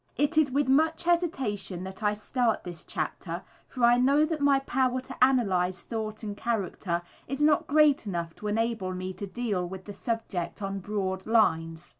It is with much hesitation that I start this chapter, for I know that my power to analyze thought and character is not great enough to enable me to deal with the subject on broad lines.